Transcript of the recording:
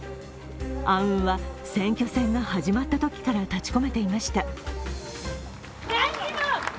暗雲は選挙戦が始まったときから立ちこめていました。